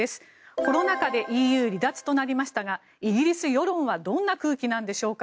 コロナ禍でＥＵ離脱となりましたがイギリス世論はどんな空気なんでしょうか？